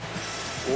お。